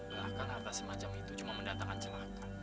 belahkan harta semacam itu cuma mendatangkan celaka